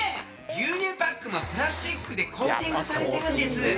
牛乳パックもプラスチックでコーティングされてるんです。